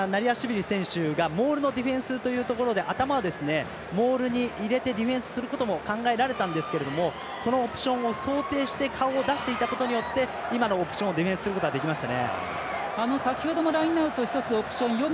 １番のナリアシビリ選手がモールのディフェンスのところで頭をモールに入れてディフェンスすることも考えられたんですが想定して顔を出していたことによって今のオプションをすることができました。